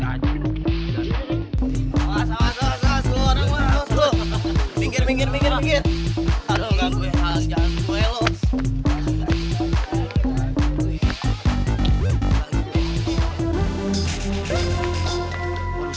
masih ada dikacauin